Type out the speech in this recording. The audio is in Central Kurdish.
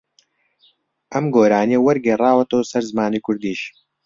ئەم گۆرانییە وەرگێڕاوەتەوە سەر زمانی کوردیش